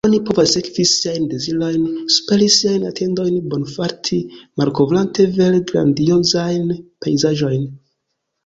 Oni povas sekvi siajn dezirojn, superi siajn atendojn, bonfarti, malkovrante vere grandiozajn pejzaĝojn!